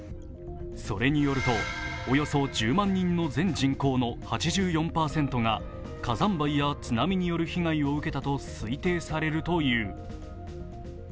それによるとおよそ１０万人の全人口の８４％が火山灰や津波による被害を受けたと推定されるという。